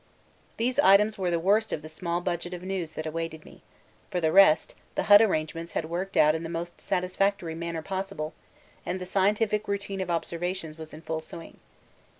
These items were the worst of the small budget of news that awaited me; for the rest, the hut arrangements had worked out in the most satisfactory manner possible and the scientific routine of observations was in full swing.